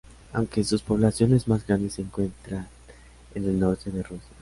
Aunque sus poblaciones más grandes se encuentran en el norte de Rusia.